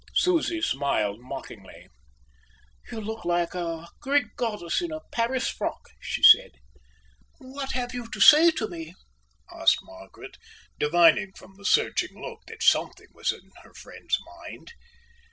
Susie smiled mockingly. "You look like a Greek goddess in a Paris frock," she said. "What have you to say to me?" asked Margaret, divining from the searching look that something was in her friend's mind.